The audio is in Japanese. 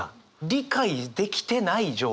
理解できてない状況。